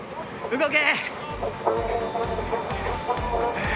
動け。